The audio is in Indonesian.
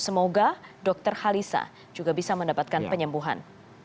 semoga dokter halisa juga bisa mendapatkan penyembuhan